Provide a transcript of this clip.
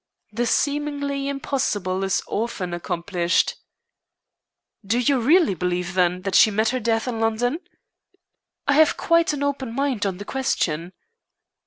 "The seemingly impossible is often accomplished." "Do you really believe, then, that she met her death in London?" "I have quite an open mind on the question."